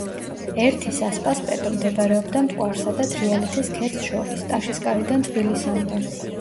ერთი სასპასპეტო მდებარეობდა მტკვარსა და თრიალეთის ქედს შორის, ტაშისკარიდან თბილისამდე.